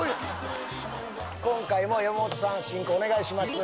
今回も山本さん進行お願いします